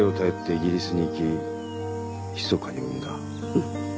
うん。